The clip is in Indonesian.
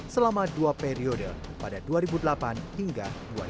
selama dua periode pada dua ribu delapan hingga dua ribu dua puluh